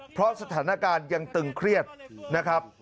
เพราะสถานการณ์ยังตึงเครียดนะครับ